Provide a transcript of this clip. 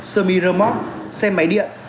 semi remote xe máy điện